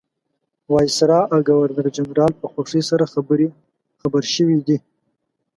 وایسرا او ګورنرجنرال په خوښۍ سره خبر شوي دي.